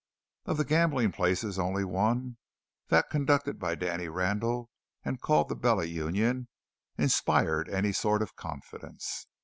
Of the gambling places, one only that conducted by Danny Randall and called the Bella Union inspired any sort of confidence.